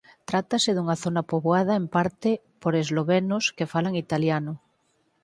Trátase dunha zona poboada en parte por eslovenos que falan italiano.